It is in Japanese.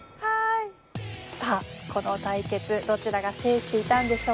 さあこの対決どちらが制していたんでしょうか？